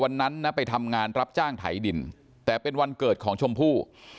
วันนั้นนะไปทำงานรับจ้างไถดินแต่เป็นวันเกิดของชมพู่